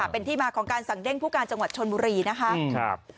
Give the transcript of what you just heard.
เป็นที่มาของการสั่งเด้งผู้การจังหวัดชนบุรีนะคะ